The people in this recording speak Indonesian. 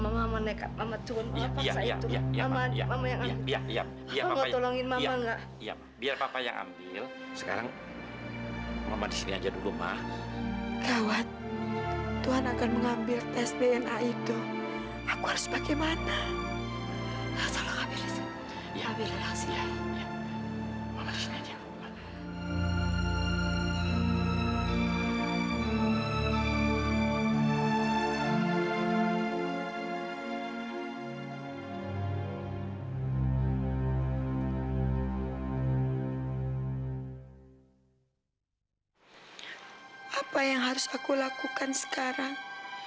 apa yang harus aku lakukan sekarang